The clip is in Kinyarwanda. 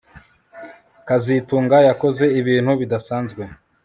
kazitunga yakoze ibintu bidasanzwe